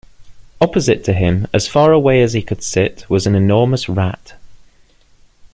Opposite to him — as far away as he could sit — was an enormous rat.